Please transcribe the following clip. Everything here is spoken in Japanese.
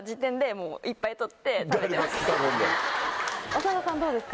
長田さんどうですか？